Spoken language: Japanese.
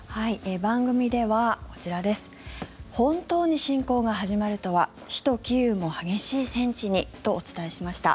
番組では本当に侵攻が始まるとは首都キーウも激しい戦地に、とお伝えしました。